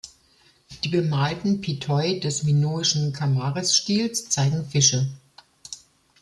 Die bemalten Pithoi des minoischen Kamares-Stils zeigen Fische.